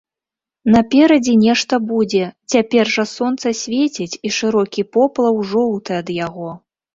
Наперадзе нешта будзе, цяпер жа сонца свеціць, і шырокі поплаў жоўты ад яго.